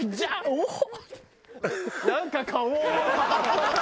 おっ！